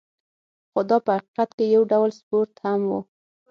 خو دا په حقیقت کې یو ډول سپورت هم و.